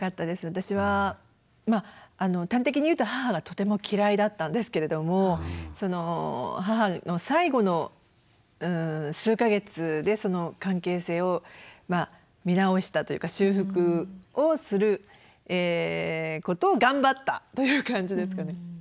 私は端的に言うと母がとても嫌いだったんですけれども母の最期の数か月でその関係性を見直したというか修復をすることを頑張ったという感じですかね。